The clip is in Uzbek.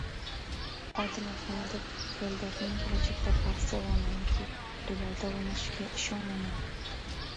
Odil Ahmedov: «Eldorning kelajakda «Barselona» yoki «Real»da o‘ynashiga ishonaman»